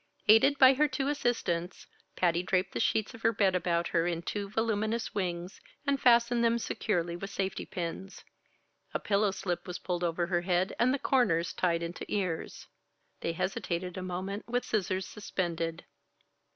Aided by her two assistants, Patty draped the sheets of her bed about her into two voluminous wings, and fastened them securely with safety pins. A pillow slip was pulled over her head and the corners tied into ears. They hesitated a moment with scissors suspended.